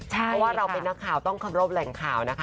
เพราะเราเป็นนักข่าวต้องทำในเลขข่าวนะคะ